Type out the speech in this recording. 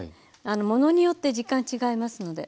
ものによって時間違いますので。